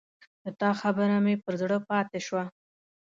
د تا خبره مې پر زړه پاته شوه